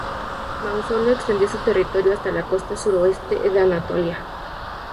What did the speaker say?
Mausolo extendió su territorio hasta la costa suroeste de Anatolia.